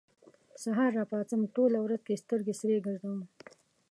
سهار راپاڅم، ټوله ورځ کې سترګې سرې ګرځوم